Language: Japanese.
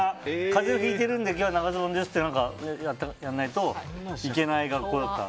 風邪をひいてるので今日は長ズボンですってやらないといけない学校だった。